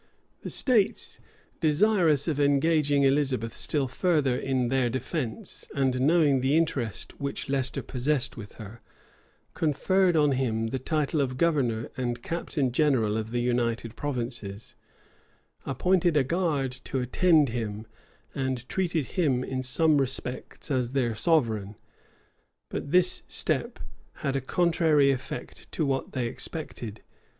The states, desirous of engaging Elizabeth still further in their defence, and knowing the interest which Leicester possessed with her, conferred on him the title of governor and captain general of the united provinces, appointed a guard to attend him, and treated him in some respects as their sovereign. But this step had a contrary effect to what they expected.